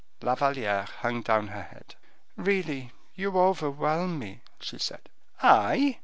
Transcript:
La Valliere hung down her head. "Really you overwhelm me," she said. "I?"